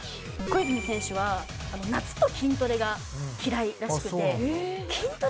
小泉選手は夏と筋トレが嫌いらしくて。